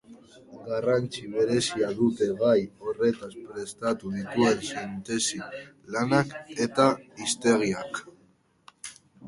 Garrantzi berezia dute gai horretaz prestatu dituen sintesi-lanak eta hiztegiak.